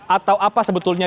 atau apa sebetulnya